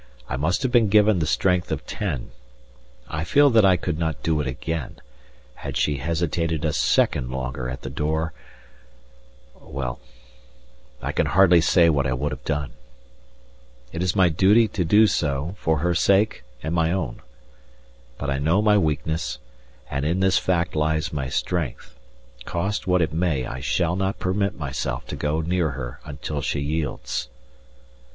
I must have been given the strength of ten. I feel that I could not do it again; had she hesitated a second longer at the door well, I can hardly say what I would have done. It is my duty to do so, for her sake and my own. But I know my weakness, and in this fact lies my strength. Cost what it may, I shall not permit myself to go near her until she yields.